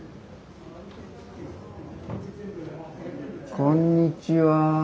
こんにちは。